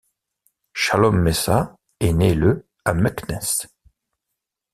Chalom Messas est né le à Meknès.